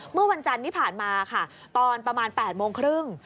เมื่อวันจันทร์ที่ผ่านมาค่ะตอนประมาณ๘โมงครึ่ง